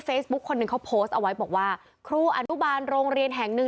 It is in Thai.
คนหนึ่งเขาโพสต์เอาไว้บอกว่าครูอนุบาลโรงเรียนแห่งหนึ่ง